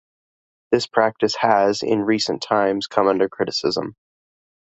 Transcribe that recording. This practice has in recent times come under criticism.